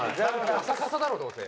カサカサだろどうせ。